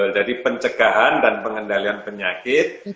jadi pencegahan dan pengendalian penyakit